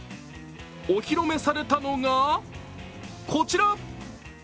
お披露目されたのが、こちら。